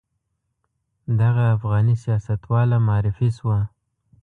دغه افغاني سیاستواله معرفي شوه.